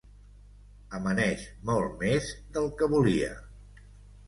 Amaneix molt més del que volia.